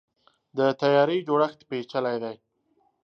د طیارې جوړښت پیچلی دی.